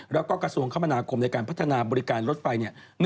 แล้วก็กระทรวงคมนาคมในการพัฒนาบริการรถไฟ